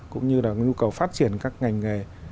cũng như nhu cầu phát triển các ngành nghề